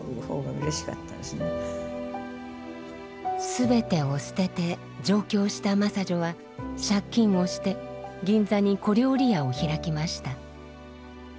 全てを捨てて上京した真砂女は借金をして銀座に小料理屋を開きました。